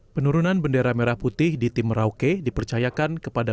penurunan bendera merah putih di tim merauke dipercayakan kepada